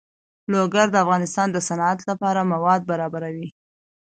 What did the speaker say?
لوگر د افغانستان د صنعت لپاره مواد برابروي.